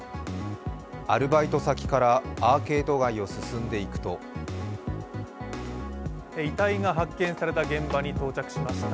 アルバイト先からアーケード街を進んでいくと遺体が発見された現場に到着しました。